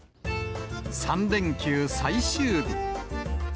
３連休最終日。